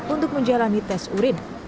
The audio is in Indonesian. untuk menjalani tes urin